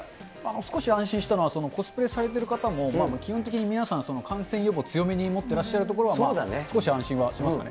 少し安心したのは、コスプレされてる方も基本的に皆さん、感染予防を強めに思ってるところは少し安心しますね。